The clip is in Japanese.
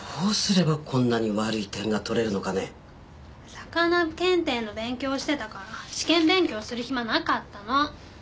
さかな検定の勉強をしてたから試験勉強をする暇なかったの！